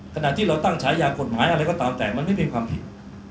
ขณะที่เราตั้งฉายากฎหมายอะไรก็ตามแต่มันไม่เป็นความผิด